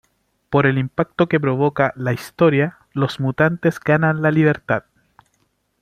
Por el impacto que provoca la historia los mutantes ganan la libertad.